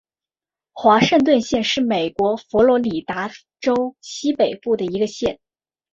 华盛顿县是美国佛罗里达州西北部的一个县。